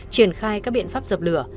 triển khai các biện pháp dập lửa